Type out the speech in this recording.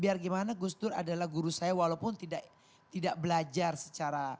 biar gimana gus dur adalah guru saya walaupun tidak belajar secara